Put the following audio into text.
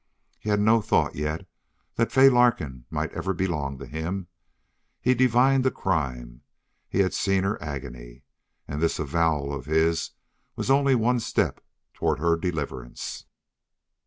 He had no thought yet that Fay Larkin might ever belong to him. He divined a crime he had seen her agony. And this avowal of his was only one step toward her deliverance.